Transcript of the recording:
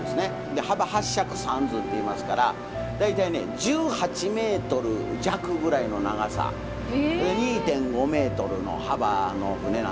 幅８尺３寸っていいますから大体ね１８メートル弱ぐらいの長さ２．５メートルの幅の船なんですね。